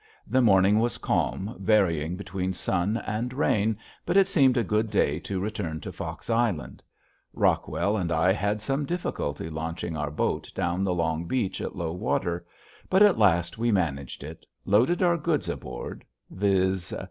The morning was calm varying between sun and rain, but it seemed a good day to return to Fox Island. Rockwell and I had some difficulty launching our boat down the long beach at low water; but at last we managed it, loaded our goods aboard, viz.